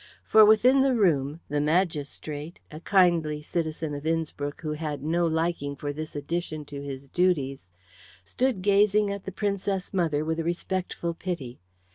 For within the room the magistrate, a kindly citizen of Innspruck who had no liking for this addition to his duties, stood gazing at the Princess mother with a respectful pity.